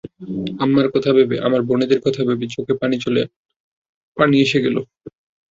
আম্মার কথা ভেবে, আমার বোনেদের কথা ভেবে, চোখে পানি এসে গেল।